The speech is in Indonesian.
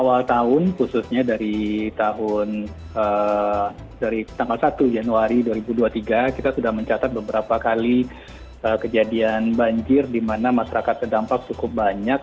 awal tahun khususnya dari tanggal satu januari dua ribu dua puluh tiga kita sudah mencatat beberapa kali kejadian banjir di mana masyarakat terdampak cukup banyak